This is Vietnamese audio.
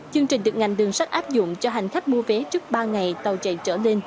chương trình được ngành đường sắt áp dụng cho hành khách mua vé trước ba ngày tàu chạy trở lên